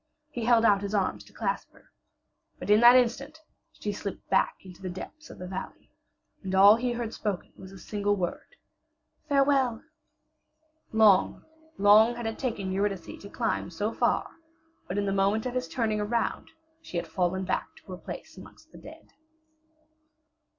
He held out his arms to clasp her. But in that instant she slipped back into the depths of the valley. And all he heard spoken was a single word, "Farewell!" Long, long had it taken Eurydice to climb so far, but in the moment of his turning around she had fallen back to her place amongst the dead.